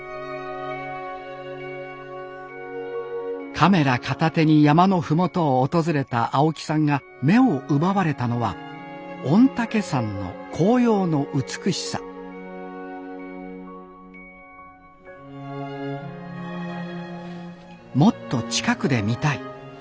カメラ片手に山の麓を訪れた青木さんが目を奪われたのは御嶽山の紅葉の美しさもっと近くで見たい。